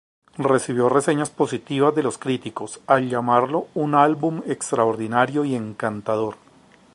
Recibió reseñas positivas de los críticos, al llamarlo un álbum extraordinario y encantador.